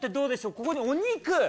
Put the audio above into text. ここにお肉。